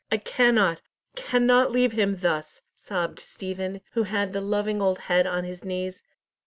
"I cannot, cannot leave him thus," sobbed Stephen, who had the loving old head on his knees.